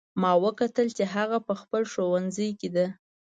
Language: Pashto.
ما وکتل چې هغه په خپل ښوونځي کې ده